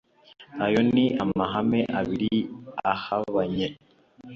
Ayo ni amahame abiri ahabanye.